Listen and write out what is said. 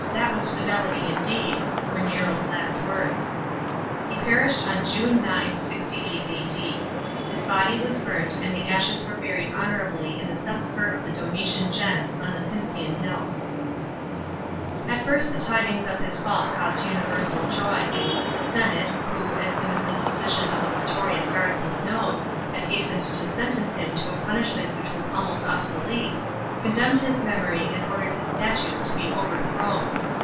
— that was fidelity indeed !" were Nero's last words. He perished on June 9, 68 A.D. His body was burnt, and the ashes were buried honorably in the sepulchre of the Domitian gens on the Pincian hill. § 23. At first the tidings of his fall caused universal joy. The senate, who, as soon as the decision of the praetorian guards was known, had hastened to sentence him to a punishment which was almost obsolete, condemned his memory and ordered his statues to be overthrown.